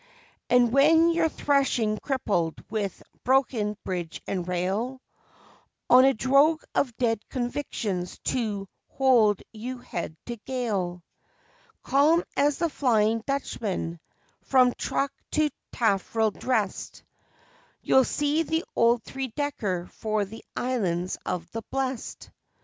And when you're threshing, crippled, with broken bridge and rail, On a drogue of dead convictions to hold you head to gale, Calm as the Flying Dutchman, from truck to taffrail dressed, You'll see the old three decker for the Islands of the Blest.